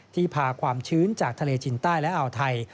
พาความชื้นจากทะเลจินใต้และอ่าวไทย